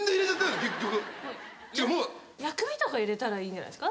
薬味とか入れたらいいんじゃないですか？